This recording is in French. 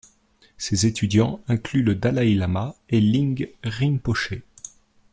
Ses étudiants incluent le dalaï lama et Ling Rinpoché.